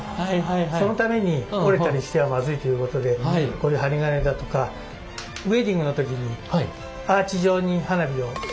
そのために折れたりしてはまずいということでこういう針金だとかウエディングの時にアーチ状に花火をその間を。